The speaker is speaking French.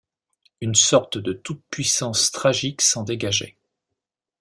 Une sorte de toute-puissance tragique s’en dégageait.